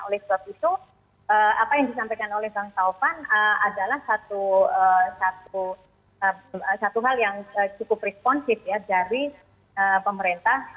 oleh sebab itu apa yang disampaikan oleh bang taufan adalah satu hal yang cukup responsif ya dari pemerintah